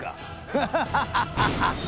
フハハハハハハ！